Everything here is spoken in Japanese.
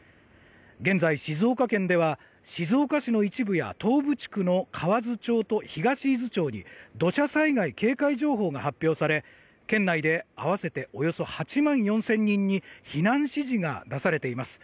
現在、静岡県では静岡市の一部では東部地区の河津町と東伊豆町に土砂災害警戒情報が発表され県内で合わせておよそ８万４０００人に避難指示が出されています。